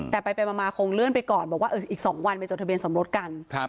แต่ไปมาคงเลื่อนไปก่อนบอกว่าอีก๒วันไปจดทะเบียนสมรสกัน